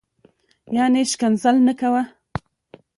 یعنی شکنځل نه کوه